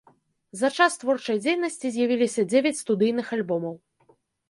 За час творчай дзейнасці з'явіліся дзевяць студыйных альбомаў.